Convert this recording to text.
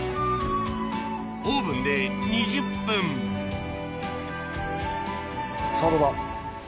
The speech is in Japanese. オーブンで２０分さぁどうだ？